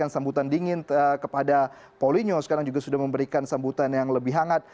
sambutan dingin kepada paulinho sekarang juga sudah memberikan sambutan yang lebih hangat